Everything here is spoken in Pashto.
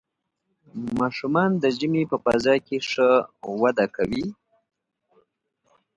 ماشومان د مینې په فضا کې ښه وده کوي